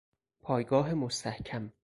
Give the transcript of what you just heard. پایگاه مستحکم